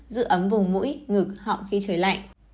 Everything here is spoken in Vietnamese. giữ ấm vùng mũi ngực họng khi trời lạnh